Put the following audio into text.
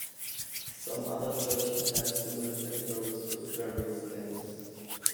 Some other churches have similar categories with various names.